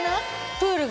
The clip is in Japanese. プールが？